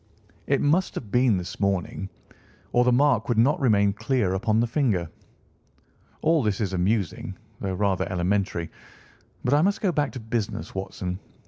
It must have been this morning, or the mark would not remain clear upon the finger. All this is amusing, though rather elementary, but I must go back to business, Watson.